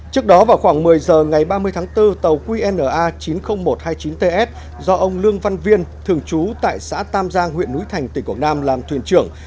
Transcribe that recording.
trước đó vào khoảng một mươi giờ ngày ba mươi tháng bốn tàu qna chín mươi nghìn một trăm hai mươi chín ts do ông lương văn viên thường trú tại xã tam giang huyện núi thành tỉnh quảng nam làm thuyền trưởng